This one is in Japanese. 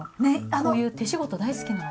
こういう手仕事大好きなの。